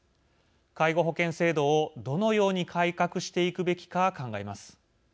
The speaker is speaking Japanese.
介護保険制度をどのように改革していくべきか考えます。